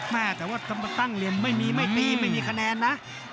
แต่ว่าตั้งเหลี่ยมไม่มีไม่ตีไม่มีคะแนนนะ